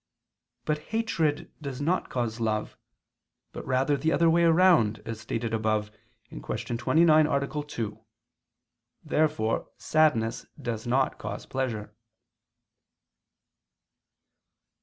But hatred does not cause love, but rather the other way about, as stated above (Q. 29, A. 2). Therefore sadness does not cause pleasure.